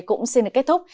cũng xin được kết thúc